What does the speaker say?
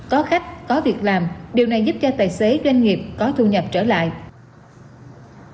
có khách có việc làm điều này giúp cho tài xế doanh nghiệp có thu nhập trở lại